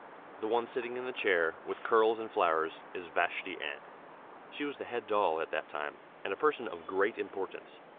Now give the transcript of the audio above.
The one sitting in the chair, with curls and flowers, is Vashti Ann. She was the head doll at that time, and a person of great importance.